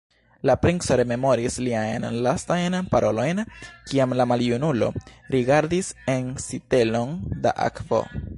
La princo rememoris liajn lastajn parolojn, kiam la maljunulo, rigardis en sitelon da akvo